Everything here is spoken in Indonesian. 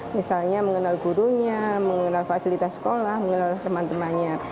misalnya mengenal gurunya mengenal fasilitas sekolah mengenal teman temannya